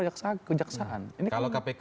ke kejaksaan kalau kpk